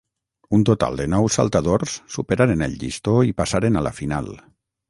Un total de nou saltadors superaren el llistó i passaren a la final.